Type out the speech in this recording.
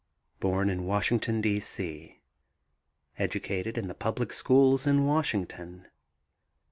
Born in Washington, D.C. Educated in the public schools in Washington.